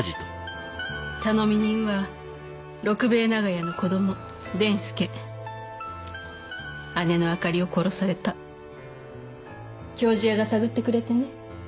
頼み人は六兵衛長屋の子ども・田助姉のあかりを殺された経師屋が探ってくれてね